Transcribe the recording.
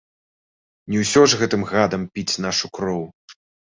Не ўсё ж гэтым гадам піць нашу кроў!